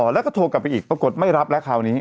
แล้วก็โทรกลับไปอีกปรากฏไม่รับแล้วคราวนี้